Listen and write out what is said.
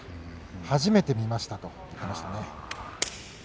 初めて見ましたと言いました。